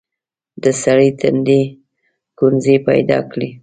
د سړي تندي ګونځې پيداکړې.